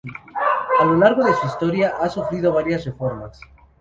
A lo largo de su historia ha sufrido varias reformas.